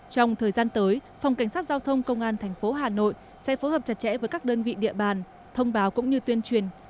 trong thời gian tới phòng cảnh sát giao thông công an thành phố hà nội sẽ phối hợp chặt chẽ với các đơn vị địa bàn thông báo cũng như tuyên truyền